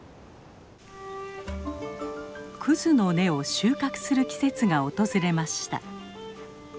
クズの根を収穫する季節が訪れました。